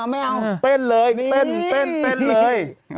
ไม่เอาเต้นเลยเต้นเลย